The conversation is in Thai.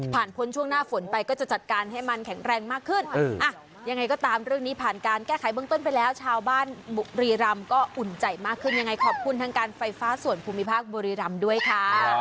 พ้นช่วงหน้าฝนไปก็จะจัดการให้มันแข็งแรงมากขึ้นยังไงก็ตามเรื่องนี้ผ่านการแก้ไขเบื้องต้นไปแล้วชาวบ้านบุรีรำก็อุ่นใจมากขึ้นยังไงขอบคุณทางการไฟฟ้าส่วนภูมิภาคบุรีรำด้วยค่ะ